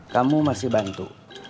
kamu masih bantu